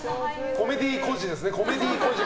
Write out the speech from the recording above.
コメディーコジですね。